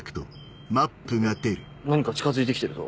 何か近づいてきてるぞ。